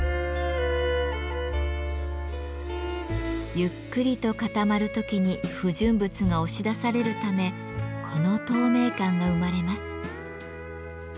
ゆっくりと固まる時に不純物が押し出されるためこの透明感が生まれます。